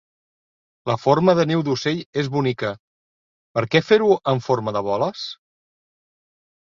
La forma de niu d'ocell és bonica, per què fer-ho en forma de boles?